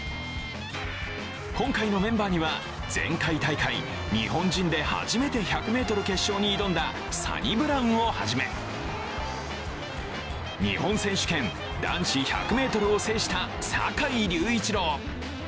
今回のメンバーには前回大会、日本人で初めて１００ｍ決勝に挑んだサニブラウンをはじめ日本選手権、男子１００ｍを制した坂井隆一郎。